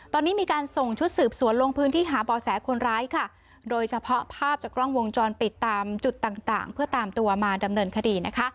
ตอนนี้มีการส่งชุดสืบสวนลงพื้นที่หาบ่อแสคนร้ายค่ะโดยเฉพาะภาพจากกล้องวงจรปิดตามจุดต่างต่างเพื่อตามตัวมาดำเนินคดีนะคะ